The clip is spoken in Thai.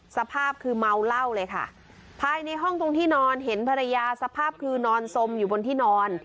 สภาพคือเมาเหล้าเลยค่ะภายในห้องตรงที่นอนเห็นภรรยาสภาพคือนอนสมอยู่บนที่นอน